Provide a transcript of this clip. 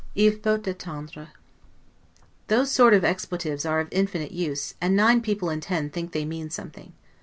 Il faut attendre. Those sort of expletives are of infinite use; and nine people in ten think they mean something.